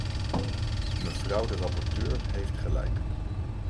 Mevrouw de rapporteur heeft gelijk.